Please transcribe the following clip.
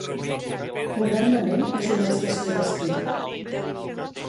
Modernament és una estació d'esquí.